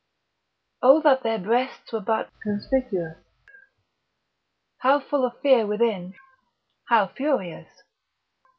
O that their breasts were but conspicuous, How full of fear within, how furious?